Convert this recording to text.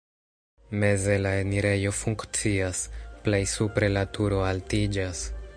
Meze la enirejo funkcias, plej supre la turo altiĝas.